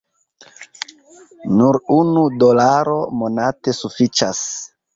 Nur unu dolaro monate sufiĉas